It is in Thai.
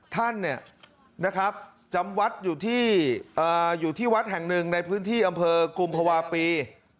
ท่านจำวัดอยู่ที่วัดแห่งหนึ่งในพื้นที่อำเภอกุมภาวะปี